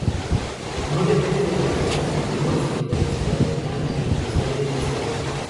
No depende del proceso sufrido, sino del estado final e inicial del sistema.